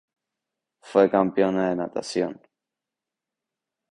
Fue campeona de natación.